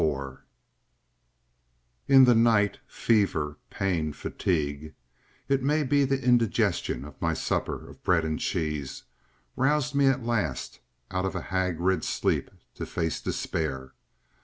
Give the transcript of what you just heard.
§ 4 In the night, fever, pain, fatigue—it may be the indigestion of my supper of bread and cheese—roused me at last out of a hag rid sleep to face despair.